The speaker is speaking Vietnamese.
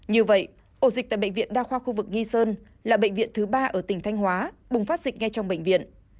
như vậy ổ dịch tại bệnh viện đa khoa khu vực nghi sơn là bệnh viện thứ ba ở tỉnh thanh hóa bùng phát dịch ngay trong bệnh viện